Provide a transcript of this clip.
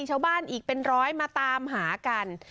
ชาวบ้านอีกเป็นร้อยมาตามหากัน